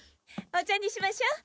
お茶にしましょう。